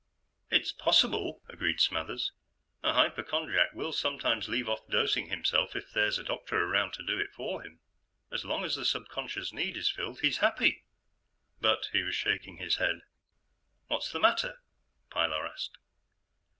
"It's possible," agreed Smathers. "A hypochondriac will sometimes leave off dosing himself if there's a doctor around to do it for him. As long as the subconscious need is filled, he's happy." But he was shaking his head. "What's the matter?" Pilar asked.